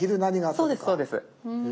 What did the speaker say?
そうですそうです。